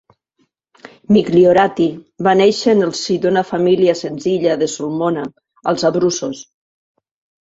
Migliorati va néixer en el si d'una família senzilla de Sulmona als Abruços.